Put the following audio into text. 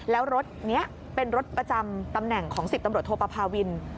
แล้วรถนี้เป็นรถประจำตำแหน่งของ๑๐ตำรวจโทปภาวิน